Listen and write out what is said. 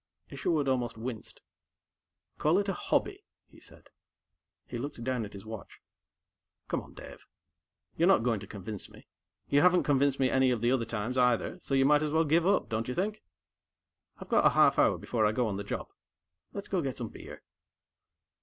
Isherwood almost winced. "Call it a hobby," he said. He looked down at his watch. "Come on, Dave. You're not going to convince me. You haven't convinced me any of the other times, either, so you might as well give up, don't you think? I've got a half hour before I go on the job. Let's go get some beer."